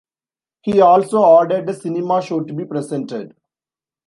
He also ordered a cinema show to be presented.